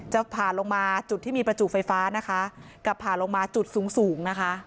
จะผ่าลงมาจุดที่มีประจุไฟฟ้านะคะกับผ่าลงมาจุดสูงสูงนะคะ